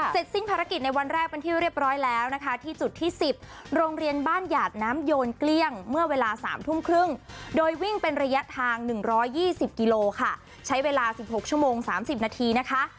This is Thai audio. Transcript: เสร็จสิ้นภารกิจในวันแรกเป็นที่เรียบร้อยแล้วนะคะที่จุดที่๑๐โรงเรียนบ้านหยาดน้ำโยนเกลี้ยงเมื่อเวลา๓ทุ่มครึ่งโดยวิ่งเป็นระยะทาง๑๒๐กิโลค่ะใช้เวลา๑๖ชั่วโมง๓๐นาทีนะคะ